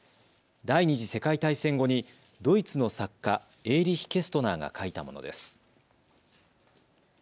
第２次世界大戦後にドイツの作家、エーリヒ・ケストナーがかいたものです。